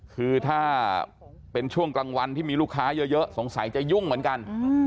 คือถ้าเป็นช่วงกลางวันที่มีลูกค้าเยอะสงสัยจะยุ่งเหมือนกัน